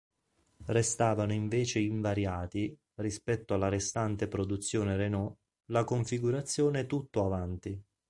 Restavano invece invariati, rispetto alla restante produzione Renault, la configurazione "tutto avanti".